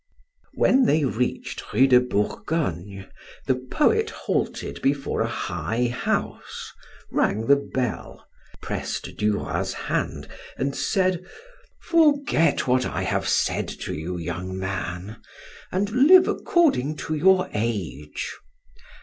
When they reached Rue de Bourgogne, the poet halted before a high house, rang the bell, pressed Duroy's hand and said: "Forget what I have said to you, young man, and live according to your age.